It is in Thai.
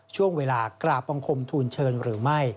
ช่วงเวลากราบบังคมทูลเชิญหรือไม่